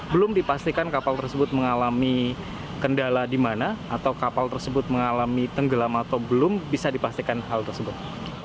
belum dipastikan kapal tersebut mengalami kendala di mana atau kapal tersebut mengalami tenggelam atau belum bisa dipastikan hal tersebut